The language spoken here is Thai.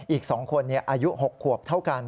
อีก๒คนอายุ๖ขวบเท่ากัน